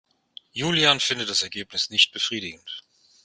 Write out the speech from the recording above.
Julian findet das Ergebnis nicht befriedigend.